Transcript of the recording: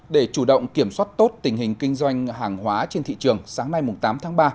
để chủ động kiểm soát tốt tình hình kinh doanh hàng hóa trên thị trường sáng nay tám tháng ba